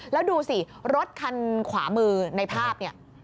แล้วดูสิรถคันขวามือในภาพเนี่ย